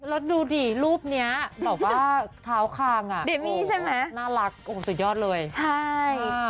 แล้วดูดิรูปนี้แบบว่าเท้าคางอ่ะเดมี่ใช่ไหมน่ารักโอ้โหสุดยอดเลยใช่